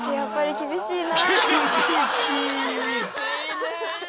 厳しいね。